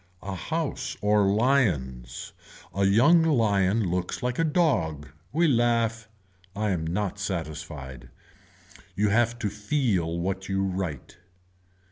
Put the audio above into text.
A house or lions. A young lion looks like a dog. We laugh. I am not satisfied. You have to feel what you write.